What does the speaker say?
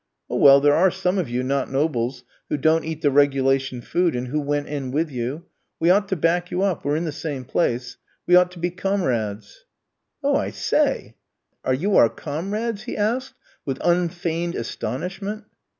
"Oh, well, there are some of you, not nobles, who don't eat the regulation food, and who went in with you. We ought to back you up, we're in the same place; we ought to be comrades." "Oh, I say. Are you our comrades?" he asked, with unfeigned astonishment.